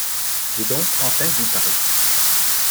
J’ai donc enfin vu Paris !